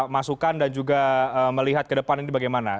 masukan dan juga melihat ke depan ini bagaimana